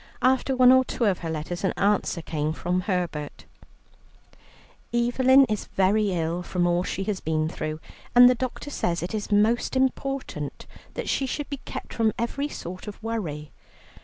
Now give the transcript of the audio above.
After one or two of her letters, an answer came from Herbert: "Evelyn is very ill from all she has been through, and the doctor says it is most important that she should be kept from every sort of worry.